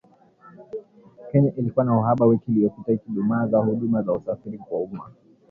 Kenya ilikumbwa na uhaba wiki iliyopita ikidumaza huduma za usafiri wa umma